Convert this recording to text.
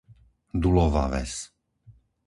Dulova Ves